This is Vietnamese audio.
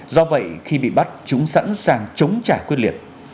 do vậy khi bị bắt chúng sẵn sàng chống trả quyết liệt